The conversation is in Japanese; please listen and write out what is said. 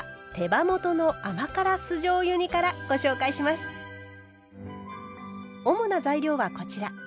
まずは主な材料はこちら。